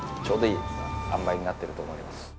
ちょうどいいあんばいになってると思います。